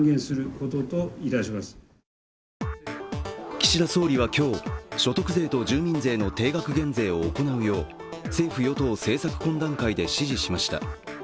岸田総理は今日、所得税と住民税の定額減税を行うよう、政府・与党政策懇談会で指示しました。